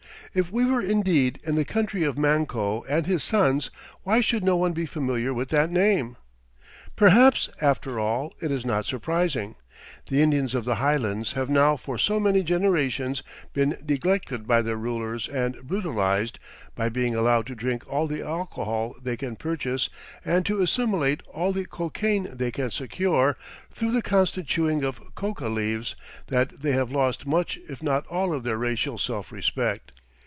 If we were indeed in the country of Manco and his sons, why should no one be familiar with that name? Perhaps, after all, it is not surprising. The Indians of the highlands have now for so many generations been neglected by their rulers and brutalized by being allowed to drink all the alcohol they can purchase and to assimilate all the cocaine they can secure, through the constant chewing of coca leaves, that they have lost much if not all of their racial self respect.